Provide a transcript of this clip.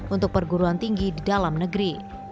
untuk perguruan tinggi di dalam negeri